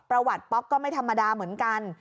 ประวัติป๊อกก็ไม่ธรรมดาเหมือนกัน